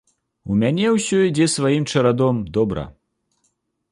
У мяне ўсё ідзе сваім чарадом добра.